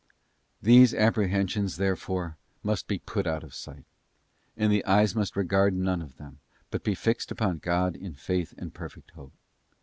. These apprehensions, therefore, must be put out of sight, and the eyes must regard none of them, but be fixed upon God in Faith and perfect Hope.